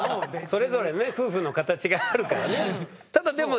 それぞれね夫婦の形があるからね。